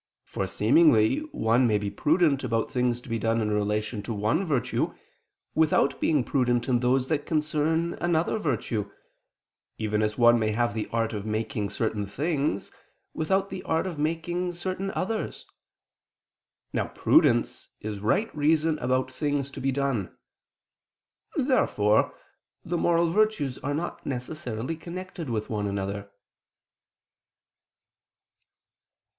For, seemingly, one may be prudent about things to be done in relation to one virtue, without being prudent in those that concern another virtue: even as one may have the art of making certain things, without the art of making certain others. Now prudence is right reason about things to be done. Therefore the moral virtues are not necessarily connected with one another.